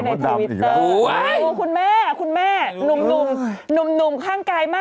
เดี๋ยวคุณวด้ำเดี๋ยว